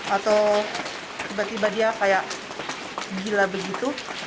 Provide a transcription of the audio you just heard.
atau tiba tiba dia kayak gila begitu